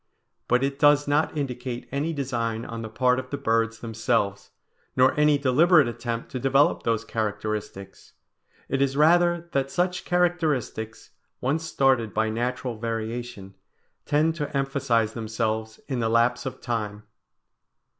But it does not indicate any design on the part of the birds themselves, nor any deliberate attempt to develop those characteristics; it is rather that such characteristics, once started by natural variation, tend to emphasize themselves in the lapse of time.